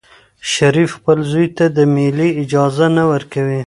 شریف خپل زوی ته د مېلې اجازه نه ورکوي.